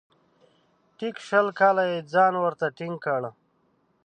ټیک شل کاله یې ځان ورته ټینګ کړ .